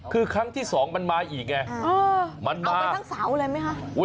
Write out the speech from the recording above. คือครั้งที่สองมันมาอีกไงเอาไปทั้งเสาอะไรมั้ยคะ